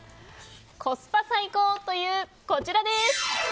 コスパ最高という、こちらです。